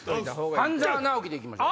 半沢直樹で行きましょう。